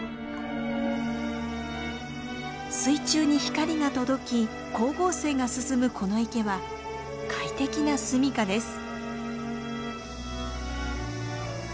水中に光が届き光合成が進むこの池は快適なすみかです。